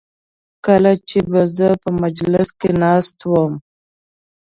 کله چې به زه په مجلس کې ناست وم.